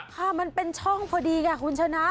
ค่ะมันเป็นช่องพอดีค่ะคุณชนะ